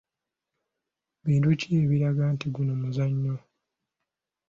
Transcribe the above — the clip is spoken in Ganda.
Bintu ki ebiraga nti guno muzannyo?